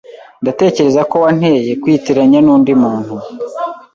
Ndatekereza ko wanteye kwitiranya nundi muntu.